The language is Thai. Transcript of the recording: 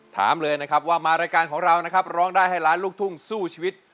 ถามเลยนะครับว่ามารายการของเรานะครับร้องได้ให้ล้านลูกทุ่งสู้ชีวิต